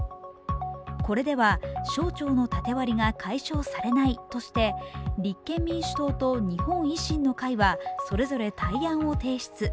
これでは省庁の縦割りが解消されないとして立憲民主党と日本維新の会はそれぞれ対案を提出。